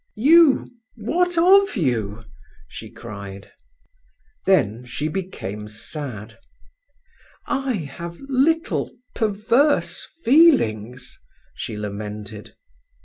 "You—what of you?" she cried. Then she became sad. "I have little perverse feelings," she lamented.